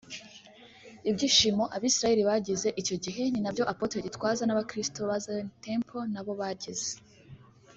Ibyishimo abisirayeri bagize icyo gihe ni nabyo Apotre Gitwaza n’abakristo ba Zion Temple nabo bagize